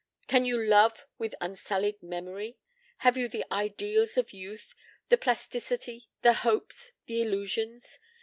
Can you love with unsullied memory? Have you the ideals of youth, the plasticity, the hopes, the illusions?